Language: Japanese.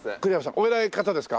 お偉い方ですか？